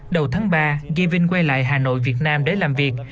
đầu tháng ba gavin quay lại hà nội việt nam để làm việc